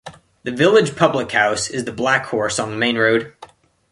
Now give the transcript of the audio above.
The village public house is the Black Horse on Main Road.